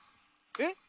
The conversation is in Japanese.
えっ。